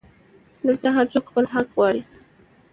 دلته هرڅوک خپل حق غواړي